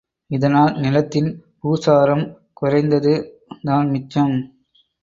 இதனால் நிலத்தின் பூசாரம் குறைந்தது தான் மிச்சம்.